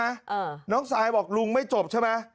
อ่าน้องซายบอกลุงไม่จบใช่ไหม